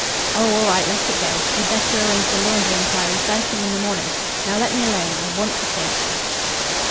"Oh, all right, let it go. You'd better arrange the laundry inquiry first thing in the morning. Now let me alone. I want to think."